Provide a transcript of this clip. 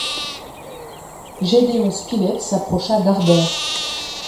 Gédéon Spilett s’approcha d’Harbert